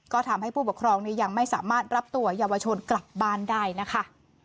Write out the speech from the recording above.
ก็ทำให้ผู้ปกครองนี้ยังไม่สามารถรับตัวเยาวชนกลับบ้านได้นะคะ